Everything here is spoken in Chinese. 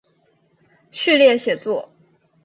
序列写作。